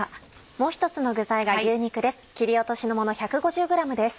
もう１つの具材が牛肉です。